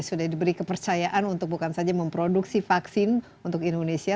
sudah diberi kepercayaan untuk bukan saja memproduksi vaksin untuk indonesia